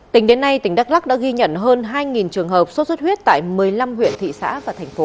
tính đến nay tỉnh đắk lắc đã ghi nhận hơn hai trường hợp sốt xuất huyết tại một mươi năm huyện thị xã và thành phố